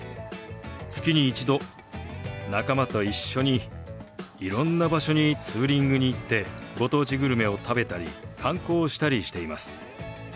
月に一度仲間と一緒にいろんな場所にツーリングに行ってご当地グルメを食べたり観光をしたりしています。